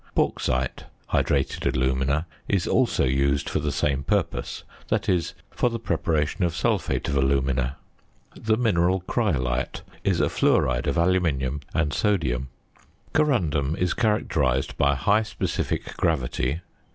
Bauxite, hydrated alumina, is also used for the same purpose that is, for the preparation of sulphate of alumina. The mineral cryolite is a fluoride of aluminium and sodium. Corundum is characterised by a high specific gravity (4.